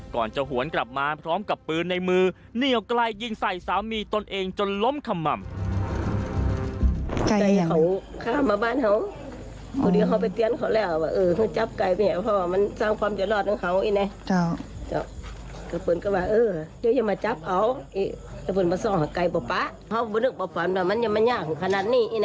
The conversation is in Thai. ก่อนจะหวนกลับมาพร้อมกับปืนในมือเหนียวไกลยิงใส่สามีตนเองจนล้มขม่ำ